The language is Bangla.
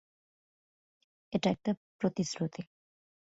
এটা একটা প্রতিশ্রুতি।